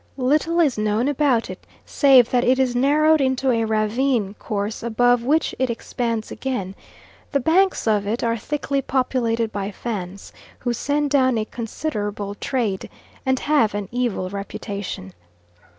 Little is known about it, save that it is narrowed into a ravine course above which it expands again; the banks of it are thickly populated by Fans, who send down a considerable trade, and have an evil reputation.